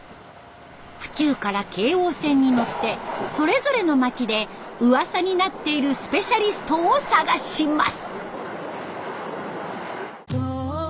府中から京王線に乗ってそれぞれの町でうわさになっているスペシャリストを探します。